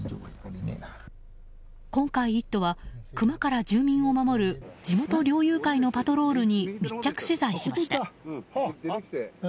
今回、「イット！」はクマから住民を守る地元猟友会のパトロールに密着取材しました。